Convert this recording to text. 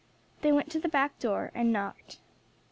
They went to the back door, and knocked.